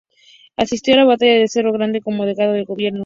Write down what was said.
Asistió a la batalla de Cerro Grande como delegado del gobierno.